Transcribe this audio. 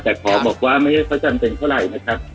แต่ขอบอกว่าไม่ใช่เขาจำเป็นเท่าไหร่นะครับ